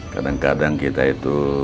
kadang kadang kita itu